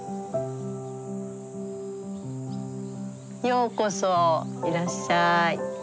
ようこそいらっしゃい。